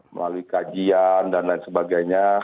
melalui kajian dan lain sebagainya